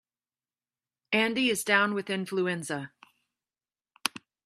Andy is down with influenza.